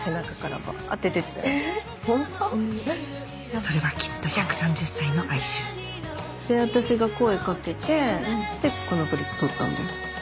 それはきっと１３０歳の哀愁で私が声かけてでこのプリ撮ったんだよ。